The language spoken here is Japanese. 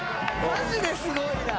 ・マジですごいな。